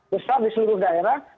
besar di seluruh daerah